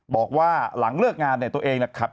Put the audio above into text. บอกว่าหลังเลิกงานเนี่ยตัวเองนะครับ